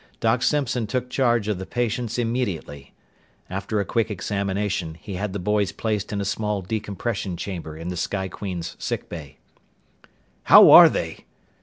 Doc Simpson took charge of the patients immediately. After a quick examination, he had the boys placed in a small decompression chamber in the Sky Queen's sick bay. "How are they?"